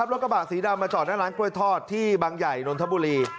รถกระบะสีดำมาจอดหน้าร้านกล้วยทอดที่บางใหญ่นนทบุรี